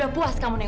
tapi juga tenang